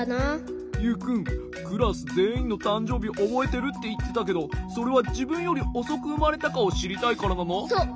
ユウくんクラスぜんいんのたんじょうびおぼえてるっていってたけどそれはじぶんよりおそくうまれたかをしりたいからなの？